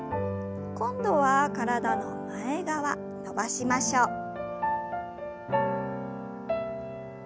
今度は体の前側伸ばしましょう。